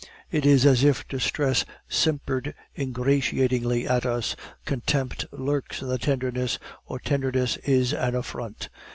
It is as if distress simpered ingratiatingly at us; contempt lurks in the tenderness, or tenderness in an affront.